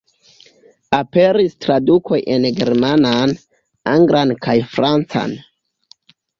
Aperis tradukoj en la germanan, anglan kaj francan.